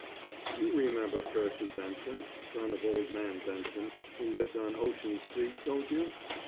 You remember Percy Benson, son of old man Benson who lived on Ocean Street, don't you?